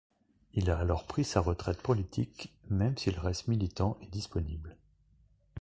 Il a alors pris sa retraite politique, même s'il reste militant et disponible.